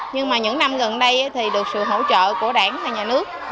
nhưng mà những năm gần đây thì được sự hỗ trợ của đảng và nhà nước